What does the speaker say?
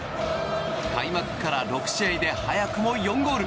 開幕から６試合で早くも４ゴール！